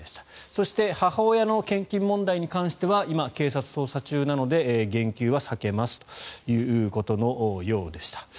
そして母親の献金問題に関しては今、警察捜査中なので言及は避けますということのようでした。